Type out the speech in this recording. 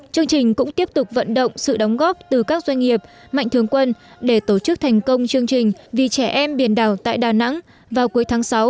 chương trình cũng tiếp tục vận động sự đóng góp từ các doanh nghiệp mạnh thường quân để tổ chức thành công chương trình vì trẻ em biển đảo tại đà nẵng vào cuối tháng sáu